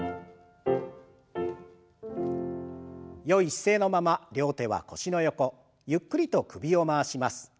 よい姿勢のまま両手は腰の横ゆっくりと首を回します。